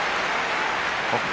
北勝